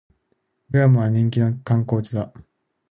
グアムは人気の観光地だ